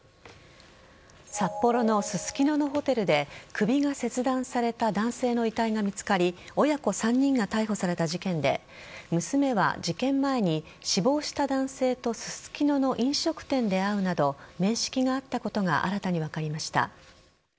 札幌のススキノのホテルで首が切断された男性の遺体が見つかり親子３人が逮捕された事件で娘は事件前に死亡した男性とススキノの飲食店で会うなど面識があったことが新たに分かりました。